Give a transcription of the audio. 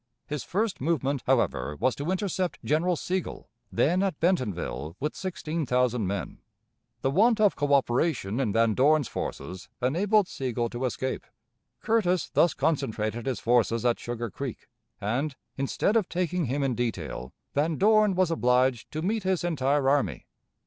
His first movement, however, was to intercept General Sigel, then at Bentonville with sixteen thousand men. The want of coöperation in Van Dorn's forces enabled Sigel to escape. Curtis thus concentrated his forces at Sugar Creek, and, instead of taking him in detail, Van Dorn was obliged to meet his entire army.